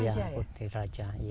iya putri raja